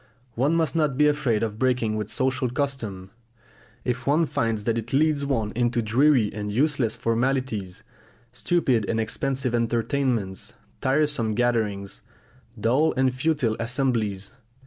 One must not be afraid of breaking with social custom, if one finds that it leads one into dreary and useless formalities, stupid and expensive entertainments, tiresome gatherings, dull and futile assemblies.